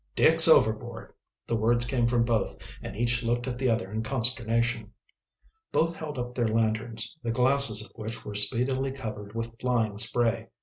"Dick's overboard!" The words came from both, and each looked at the other in consternation. Both held up their lanterns, the glasses of which were speedily covered with flying spray.